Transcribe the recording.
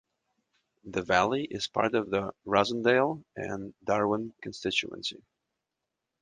The Valley is part of the Rossendale and Darwen constituency.